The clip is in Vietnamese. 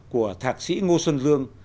của thạc sĩ ngô xuân dương